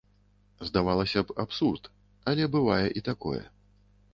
Здавалася б, абсурд, але бывае і такое.